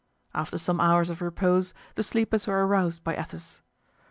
After some hours of repose the sleepers were aroused by Athos.